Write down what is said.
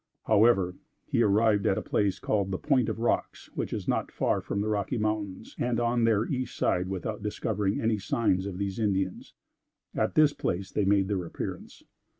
However, he arrived at a place called the "Point of Rocks," which is not far from the Rocky Mountains, and on their east side, without discovering any signs of these Indians. At this place they made their appearance.